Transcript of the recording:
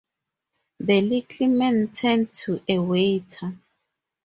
The little man turned to a waiter.